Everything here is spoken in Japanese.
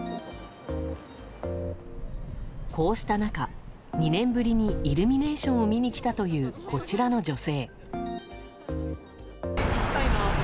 こうした中、２年ぶりにイルミネーションを見に来たというこちらの女性。